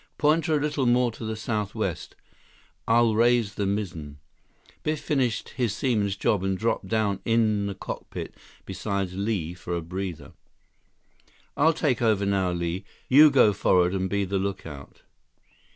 "Point her a little more to the southwest. I'll raise the mizzen." Biff finished his seaman's job and dropped down in the cockpit beside Li for a breather. "I'll take over now, Li. You go forward and be the lookout.